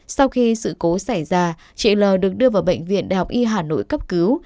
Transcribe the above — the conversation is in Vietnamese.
sau khi sự cố xảy ra chị l được đưa vào bệnh viện đh y hà nội cấp cứu